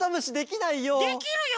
できるよ！